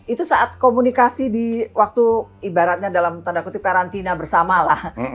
itu saat komunikasi di waktu ibaratnya dalam tanda kutip karantina bersama lah